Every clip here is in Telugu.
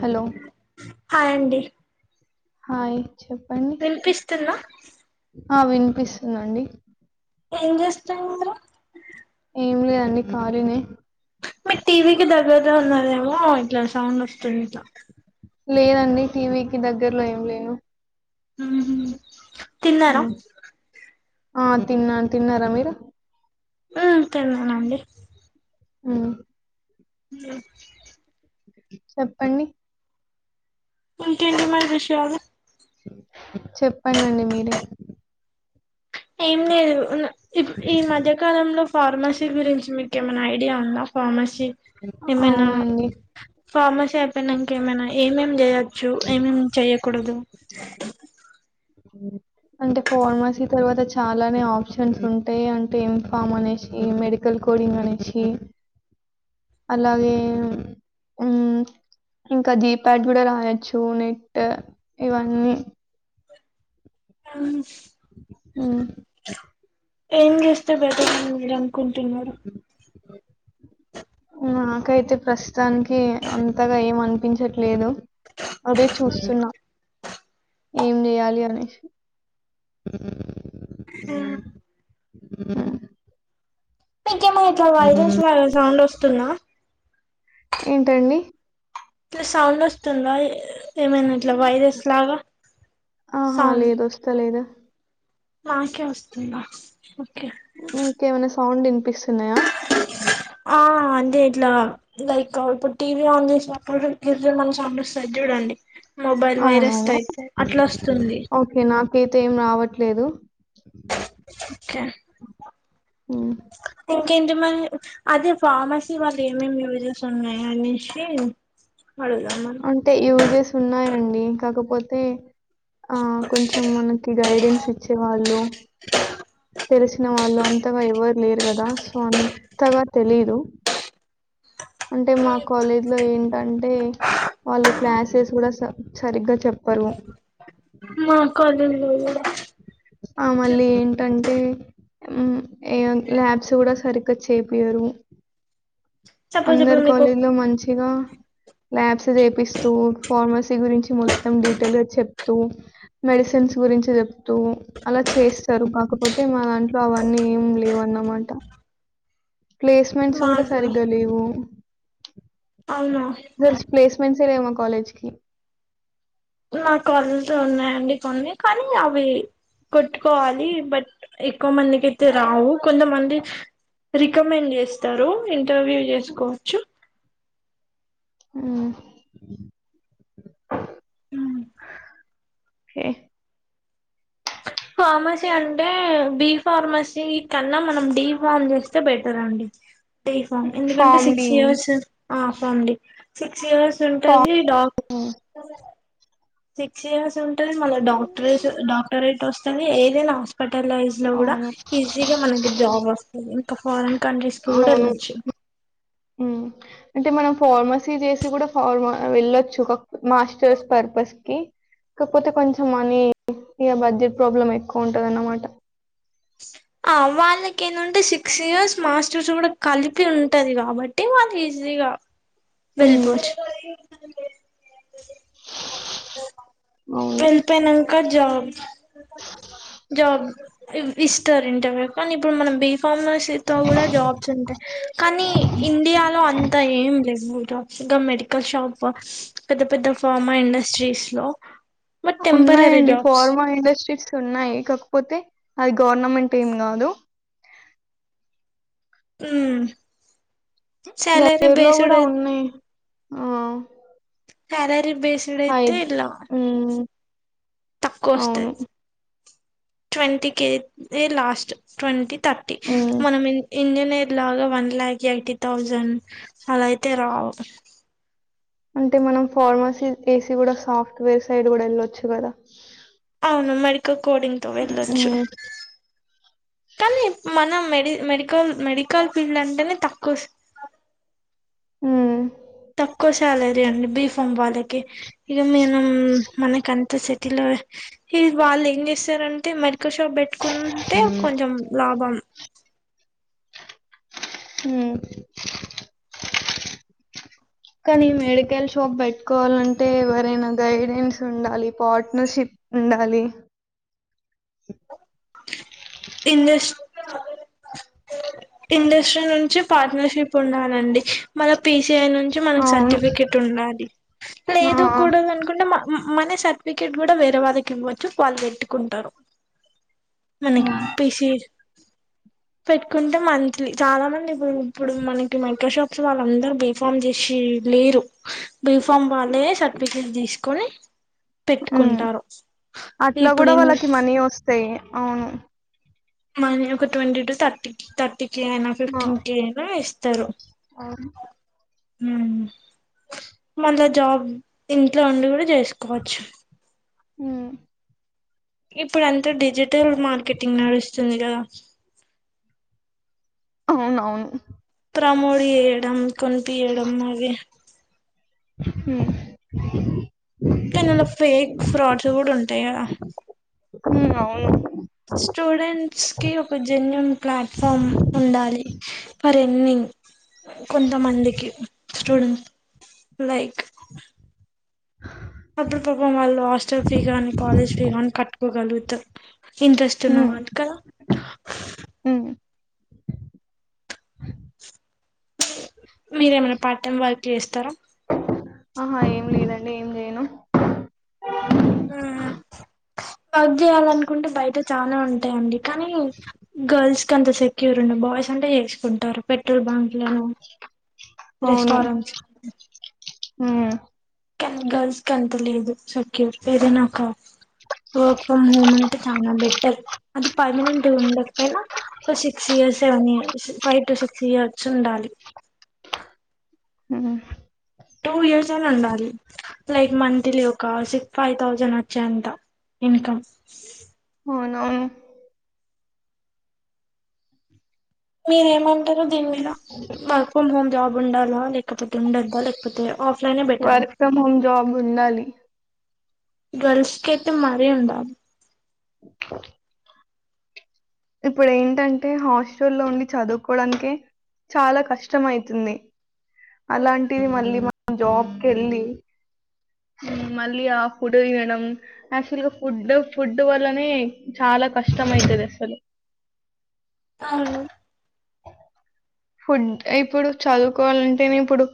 హలో హాయ్ అండి హాయ్ చెప్పండి వినిపిస్తుంద ఆ వినిపిస్తుదండి ఏం చేస్తున్నారు మీరు ఏం లేదండి ఖాళినే మీరు టీవీకి దగ్గరలో ఉన్నరేమో ఇట్లా సౌండ్ వస్తుంది ఇట్లా లేదండి టీవీకి దగ్గర్లో ఏం లేను హ్మ్ హు మ్. ఆ తిన్నా తిన్నారా మీరు ఆ తిన్నానండి మ్ మ్ చెప్పండి ఇంకేంటి మరి విషయాలు చెప్పండి అండి మీరే ఏం లేదు ఈ మధ్యకాలంలో ఫార్మసీ గురించి మీకు ఏమన్నా ఐడియా ఉందా ఫార్మసీ ఏమైనా అవునండి ఫార్మసీ అయిపోయినాంక ఏమైనా ఏమేమి చేయొచ్చు ఏమేమేం చెయకూడదు ఉ అంటే ఫార్మసీ తర్వాత చాలానే ఆప్షన్స్ ఉంటాయి అంటే ఇంఫామ్ అనేసి మెడికల్ కోని మనేసి అలాగే ఉ ఇంకా జీప్యాడ్ కూడా రాయచ్చు నెట్ ఇవన్నీ ఉ ఉ ఏం చేస్తే బెటర్ అనుకుంటున్నారు నాకైతే ప్రస్తుతానికి అంతగా ఏం అనిపించట్లేదు అదే చూస్తున్నా ఏం చెయాలి అనేసి ఉ ఉ మీకేమైన ఇట్లా వైరల్స్ సౌండ్ వస్తుంద ఏంటండి సౌండ్ వస్తుందా ఏ ఏమైనా ఇట్లా వైరస్ లాగా ఆహా సౌండ్ లేదు వస్తలేదు నాకే వస్తుందా ఓకే ఇంకేమైనా సౌండ్ వినిపిస్తున్నాయా ఆ అంటే ఇట్లా లైక్ ఇప్పుడు టీవీ ఆన్ చేసినప్పుడు గిర్ మని సౌండ్ వస్తాది చూడు డి మొబైల్ వైరస్ట్ అవునవును అయితే అట్లా వస్తుంది అయితే ఏం రావట్లేదు ఓకే ఉమ్. ఇంకేంటి మరి అదే ఫార్మసీ వాళ్ళు ఏమేమి యూజెస్ ఉన్నాయో అనేసి అడుగుదామని అంటే యూజెస్ ఉన్నాయండి కాకపోతే ఆ కొంచెం మనకి గైడెన్స్ ఇచ్చేవాళ్ళు తెలిసిన వాళ్ళు అంతగా ఎవరు లేరు కదా సో అంతగా తెలిదు అంటే మా కాలేజ్ లో ఏంటంటే వాళ్ళు క్లాసెస్ కూడా సరిగ్గా చెప్పరు మా కాలేజ్ లో కూడా ఆ మళ్ళీ ఏంటంటే ఉ ఏ ల్యాబ్స్ కూడా సరిగ్గా చెపియరు సపోజ్ అందరు ఇప్పుడు మీకు కాలేజీలో మంచిగా ల్యాబ్స్ చేపిస్తూ ఫార్మసీ గురించి మొత్తం డీటెయిల్గా చెప్తూ మెడిసిన్ మెడిసిన్ గురించి చెప్తూ అలా చేస్తారు కాకపోతే మా దాంట్లో అవన్నీ ఏం లేవ్ అనమాట ప్లేస్మెంట్స్ మా కూడా సరిగ లేవ్ అవున వస్తారేమో కాలేజ్కి నాకు కళ్ళతో ఉన్నాయండి కొన్ని కానీ అవి కొట్టుకోవాలి బట్ ఎక్కువ మందికి అయితే రావు కొంతమంది రికమెండ్ చేస్తారు. ఇంటర్వ్యూ చేసుకోవచ్చు హ్ హ్ కె ఫార్మసీ అంటే బి ఫార్మసీ కన్నా మనం డీ ఫార్మ్ చేస్తే బెటర్ అండి ఫామ్ ఎందుకంటే ఫార్మ్ సిక్స్ డి, ఇయర్స్ ఆ pharm D six years pharm ఉంటది. సిక్స్ ఇయర్స్ ఉంటది మల్లా డాక్టరే డాక్టరేట్ వస్తది ఏదైనా హాస్పిటల్ హాస్పిటలైస్ లో కూడా అవును. ఈజీ గా మన జాబ్ వంది ఇంకా ఫరాన్ కంట్రీస్కి కూడా అవును. ఏళ్లచ్చు హ్మ్. అంటే మనం ఫార్మసీ చేసి కూడా ఫార్మ వెళ్ళొచ్చు క మాస్టర్స్ పర్పస్ కి కాకపోతే కొంచెం మనీ ఇగా బడ్జెట్ ప్రాబ్లం ఎక్కువ ఉంటది ఆన్నమాట ఆ వాళ్ళకి ఏంటంటే సిక్స్ ఇయర్స్ మాస్టర్స్ కూడా కలిపి ఉంటది. కాబట్టి వాళ్ళు ఈజీ ఈజీగా హ్మ్. వెళ్ళిపోవచ్చు అవును. వెళ్పోనంక జాబ్ జాబ్ ఇష్ ఇత్తర్ ఇంటర్వూ కానీ ఇప్పుడు మనం బి ఫార్మసీ తో కూడా జాబ్స్ ఉంటాయి కానీ ఇండియాలో అంత ఏం లేదు జాబ్ మెడికల్ షాప్ పెద్ద పెద్ద ఫార్మా ఇండస్ట్రీస్ లో బట్ టెంపరరీ ఉన్నాయండి జాబ్స్ ఫార్మా ఇండస్ట్రీస్ ఉన్నాయి కాకపోతే అది గవర్నమెంట్ ఏం కాదు హ్ దగ్గర్లో కూడా ఉన్నాయి ఆ కరరి బేస్డైతే హైద్ ఇలా హ్మ్. తక్కువ అవును. వస్తది twenty K last twenty thirty హ్మ్. మనం ఇండియానే లాగా వన్ ల్యాక్ ఎయిటీ థౌజండ్ అలా ఆయితే రావు అంటే మనం ఫార్మసీ ఏసీ కూడా సాఫ్ట్వేర్ సైడ్ కూడా వెళ్ళొచ్చు కదా అవును మేడికల్ కోడింగ్ తో వెళ్ళొచ్చు హ్మ్. కానీ మనం మేడి మెడికల్ మెడికల్ ఫీల్డ్ అంటేనే తక్కువ వ హ్ తక్కువ శాలరీ అండి బీ ఫాం వాళ్ళకి ఇగా మేన మనకి అంత త్త సిటీలో ఈ వాళ్ళు ఏం చేస్తారంటే మరి మెడికల్ షాప్ పెట్టుకుంటే కొంచెం లాభం హ్ [inaudible] కానీ మెడికల్ షాప్ పెట్టుకోవాలంటే ఎవరైనా గైడెన్స్ ఉండాలి పార్ట్నర్షిప్ ఉండాలి ఇండస్ట్ ఇండస్ట్రి నుంచి పార్ట్నర్షిప్ ఉన్నానండి మన పే ఐ నుంచి మనకు అవును సర్టిఫికెట్ ఉండాలి ఆ లేదుకూడద అనుకుంటే మన సర్టిఫికెట్ కూడా వేరే వాళ్ళకి ఇవ్వచ్చు వాళ్ళు పెట్టుకుంటారు మన పిషీ పెట్టుకుంటే మంత్లీ చాలా మంది ఇప్పుడు ఇప్పుడు మనకి మైక్రో షాప్స్ వాళ్ళందరుూ బిఫామ్ చేసి లేరు బిఫామ్ వాళ్ళే సర్టిఫికెట్ తీసుకొని ఉమ్. పెట్టుకుంటారు అట్లా ఇప్పుడు కూడా నేను వాళ్ళకి మనీ వస్తాయి అవును మ ఒక twenty to thirty thirty K అయినా ఆ, ఫిఫ్టీన్ కే అయినా ఇస్తారు అవును మళ్ళా జాబ్ ఇంట్లో ఉండి కూడా జెస్కోవచ్చు అ ఇప్పుడు అంతా డిజిటల్ మార్కెటింగ్ నడుస్తుంది క అవునవును ప్రమోడి చెయడం కొనిపియడం మగే హ కానీ ఆలా ఫేక్ ఫ్రాడ్ సూట్ ఉంటాయి కదా ఆవును స్టూడెంట్స్ కి ఒక జెన్యుూన్ ప్లాట్ఫామ్ ఉండాలి మరిన్ని కొంతమందికి స్టూడెంట్ లైక్ అప్పుడు పాపం వాళ్ళు హాస్టల్ ఫీ గానీ కాలేజ్ ఫీ గాని కట్టుకోగలుగుతారు ఇంట్రెస్ట్ ఉమ్, ఉన్నవాళ్ళ కద [inaudible] మీరేమైనా పార్ట్ టైమ్ వర్క్ చేస్తారా ఆహా ఏం లేదండి ఏం చేయను ఆ పగ్ చేయాలనుకుంటే బయట చాలా ఉంటు ఉంటాయండి కానీ గర్ల్స్ కి అంత సెక్యూర్ ఉడి బాయ్స్ అంటే చేసుకుంటారు పె పెటల్ బ్యాంక్లను రెస్టారెంట్ ఉ కన్ గర్ల్స్ క ఎంత లేదు సెక్యూర్ ఏద నాకు వర్క్ ఫ్రమ్ హోమ్ అంటే చాలా బెటర్ అది పర్మనెంట్ ఉండకపోయినా ఒక six year seven year five to six years ఉండాలి ఉ టూ ఇయర్స్ అని ఉండాలి లైక్ మంత్లీ ఒక సిక్ ఫైవ్ థౌసండ్ వచ్చాయి అంత ఇంకమ్ అవునువును మీరేమంటార దీని మీల వర్క్ ఫ్రోమ్ హోమ్ జాబ్ ఉండాలా లేకపోతే ఉండద్దా లేకపోతే ఆఫ్లైనే బెటరా వర్క్ ఫ్రమ్ హోమ్ జాబ్ ఉండాలి గల్స్ కైతే మరి ఉండలి స ఇప్పుడు ఏంటంటే హాస్టల్లో ఉండి చదువుకోవడానికే చాలా కష్టం అవుతుంది అలాంటిది మళ్ళీ మనం జాబ్కి వెళ్ళి మళ్ళీ ఆ ఫుడ్ తినడం యాక్చువల్ గా ఫుడ్ ఫుడ్ వల్లనే చాలా కష్టమైతది అసలు అవును ఫుడ్ ఇప్పుడు చదువుకోవాలంటెనే ఇప్పుడు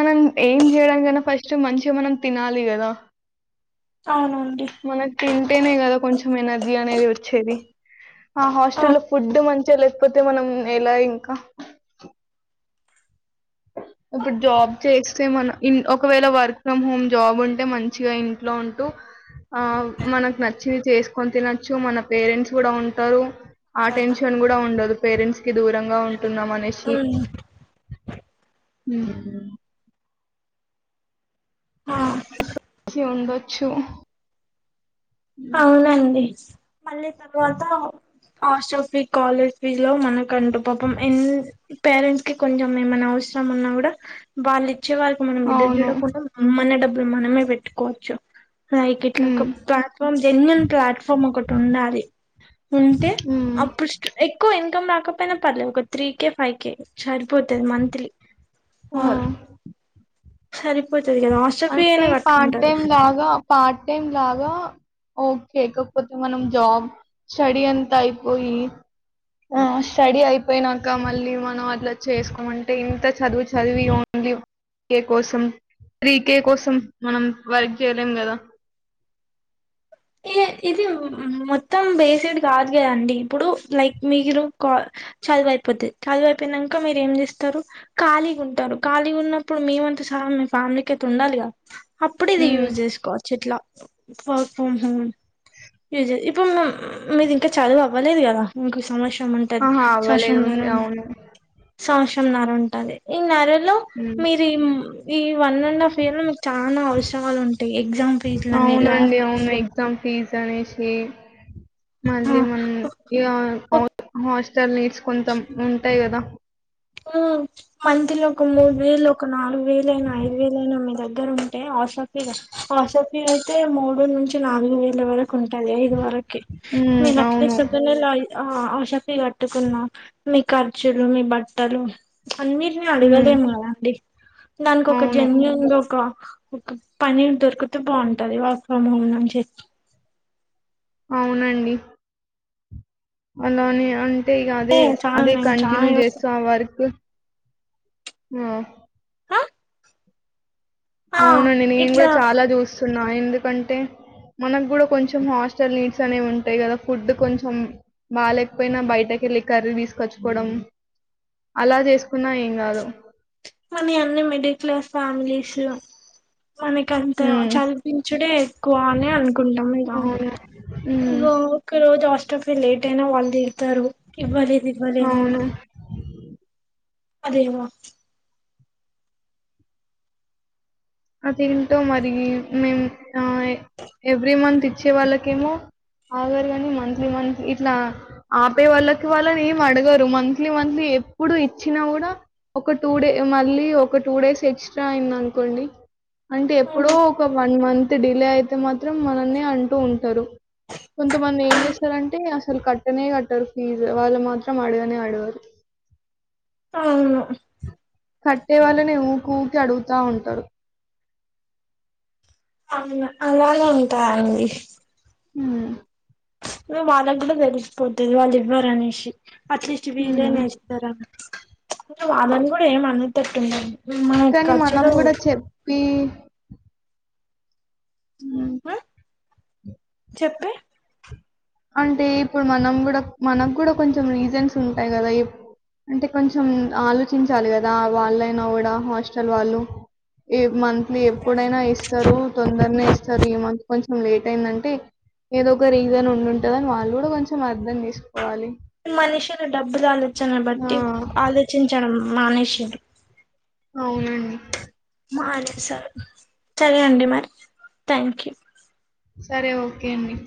మనం ఏం చేయడానికన్నా ఫస్ట్ మంచిగా మనం తినాలి కదా అవునండి టెనే కదా కొంచెం ఎనర్జీ అనేది వచ్చేది ఆ హాస్టల్ లో ఫుడ్ మంచిగా లేక్ పోతే మనం ఎలా ఇంకా అప్పుడు జాబ్ చేస్తే మన ఒకవేళ వర్క్ ఫ్రమ్ హోమ్ జాబ్ ఉంటే మంచిగా ఇంట్లో ఉంటూ ఆ మనకు నచ్చినివి చేసుకొని తినొచ్చు మన పేరెంట్స్ కూడా ఉంటారు ఆ టెన్షన్ కూడా ఉండదు పేరెంట్స్ కి దూరంగా ఉ టున్నా మనేసి అవును ఊ ఆ శి ఉండొచ్చు అవునండి మళ్ళీ తర్వాత హాస్టల్ ఫీ కాలేజ్ ఫీజ్ లో మనకు అంటూ పాపం ఎన్ పేరెంట్స్ కి కొంచెం ఏమన్నా అవసరం ఉన్నా కూడా వాళిక్ వచ్చే వారికి మనం ఎదురు అవును చూడకుండా మన డబ్బులు మనమే పెట్టుకోవచ్చు లైక్ ఇట్ల ఒక ఉమ్ పాత్ జెన్యున్ ప్లాట్ఫామ్ ఒకటి ఉండాలి ఉంటే ఉమ్ అప్పుడు ఎక్కువ ఇన్కమ్ రాకపోయినా పర్లేదు ఒక త్రీ కే ఫైవ్ కే సరిపోతుంది మంత్లీ ఆ సరిపో అంటే పార్ట్ టైమ్ లాగా పార్ట్ టైం లాగా ఓకే కాకపోతే మనం జాబ్ స్టడీ అంత అయిపోయి ఆ స్టడీ అయిపోయినాక మళ్ళీ మనం అట్లా చేసుకోమంటే ఇంత చదువు చదివి దివ్ ఏ కోసం త్రీ కే కోసం మనం వర్క్ చేయలేం కదా ఈ ఇది మొత్తం బేసిడ్ కాదు కదండి ఇప్పుడు లైక్ మీరు క చదివ అయిపోది చదుయిపోయినంక మీరు ఏం చేస్తారు ఖాళీగా ఉంటారు ఖాళీగా ఉన్నప్పుడు మేమంత సహా ఫ్యామిలీ కయితే ఉండాలి గా అప్పుడు ఇది ఉమ్ యూజ్ చేసుకోవచ్చు ఇట్లా ఉహు ఇప్పుడు మీది ఇంకా చదువు అవ్వలేదు కదా ఇంకో సంవస్ ఉంటది ఆహా అవ్వలేదు సంవత్సరమన్నారా ఉంది అవును సంవత్సరమన్నారా ఉంటది ఈ నర లో ఉమ్ మీరు ఈ ఈ వన్ అండ్ హాఫ్ ఇయర్ లో మీకు చాలా అవసరాలు ఉంటాయి ఎగ్జామ్ ఫీజ్ అనిలా అవునండి అవును ఎగ్జామ్ ఫీజ్ అనేసి మల్లి మనం ఈ అవ హస్ నీడ్స్ కొంతం ఉంటాయి కదా ఉ మంత్లో ఒక మూడు వేలు ఒక నాలుగు వేలుయినా ఐదు వేలు అయినా మీరు దగ్గరు ఉంటే హాస్టల్ ఫీజు హాస్టల్ ఫీజ్ అయితే మూడు నుంచి నాలుగు వేల వర కుంటది ఐదు వరకి ఉమ్ మీన్ అవును అట్లీస్ట్ ఒక నెల ఆ హాస్టల్ ఫీజ్ కట్టుకున్నా మీ ఖర్చులు మీ బట్టలు అన్నిటిని ఉమ్ అడవలేము కదా అండి దానికి ఒక అవును జెన్యూన్ గా ఒక ఒక పని దొరికితే బాగుంటది వర్క్ ఫ్రమ్ హోమ్ నుంచి అవునండి అలాని అంటే ఇగ అదే, ఏ చాలా అదే నేను చాలా కంటిన్యూ యోచి- చేస్తూ ఆ వర్క్ హ ఆ, ఆ, అవునండి నేను కూడా ఇట్లా చాలా చూస్తున్నా ఎందుకంటే మనకు గుడ కొంచెం హాస్టల్ నీడ్స్ అనేవి ఉంటయి కదా, ఫుడ్ కొంచెం బాగాలేకపోయినా బయటక్ కి కెళ్ళి కర్రీ తీసుకొచ్చుకోవడం అలా చేసుకున్నా ఏం కాదు కానీ అన్ని మిడిల్ క్లాస్ ఫ్యామిలీస్ మనకంత హ్మ్. చదిపించుడే ఎక్కువ అని అనుకుంటాం ఇగ అవును. హ్మ్. ఒక రోజు అస్ లేట్ అయినా వాళ్ళు తిడతారు ఇవ్వలేదు ఇవ్వలేదని అవును. అదేగా అదేంటో మరి మేము ఆ ఎవ్రీ మంత్ ఇచ్చే వాళ్ళకేమో ఆగారు కని మంత్లీ మంత్లీ ఇట్లా ఆపే వాళ్ళకి వాళ్ళని ఏం అడగరు మంత్లీ మంత్లీ ఎప్పుడు ఇచ్చినా గుడ ఒక టూ డే మళ్ళీ ఒక టూ డేస్ ఎక్స్ట్రా అయింది అనుకోండి అంటే ఎప్పుడో ఒక వన్ మంత్ డిలే అయితే మాత్రం మనల్నే అంటూ ఉంటరు. కొంతమంది ఏం చేస్తరంటే అసలు కట్టనే కట్టారు ఫీజు వాళ్ళు మాత్రం అడగానే ఆడగరు. ఆ కట్టే వాళ్ళనే ఊకూకె అడుగుతా ఉంటరు అవు అలాగే ఉంటారండి ఉమ్ వాళ్ళకు కూడా తెరిసిపోతది వాళ్ళు ఇవ్వరు అనేసి అట్లీస్ట్ వీళేనే హ్మ్ ఇస్తరని, అంటే వాళ్ళని గుడ ఏం అన్నటట్టు ఉండది. మా కానీ మనం కచుడు కూడా చెప్పి హ్మ్, ఆ చెప్పే అంటే ఇప్పుడు మనం కూడా మనకు కూడా కొంచెం రీజన్స్ ఉంటయి కదా అంటే కొంచెం ఆలోచించాలి కదా వాళ్ళైనా కూడా హాస్టల్ వాళ్ళు ఈ మంత్లీ ఎప్పుడైనా ఇస్తరు, తొందరనే ఇస్తారు ఈ మంత్ కొంచెం లేట్ అయిందంటే ఏదో ఒక రీజన్ ఉండుంటదని వాళ్ళు కూడా కొంచెం అ మనిషులు డబ్బులు ఆలోచన ఆ! బట్టి ఆలోచించడం మానేసిర్రు అవునండి మానేసారు సరే అండి మరి, థ్యాంక్ యూ సరే ఓకే అండి